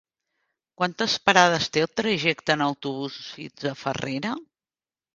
Quantes parades té el trajecte en autobús fins a Farrera?